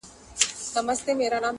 خپل وېښته وینم پنبه غوندي ځلیږي٫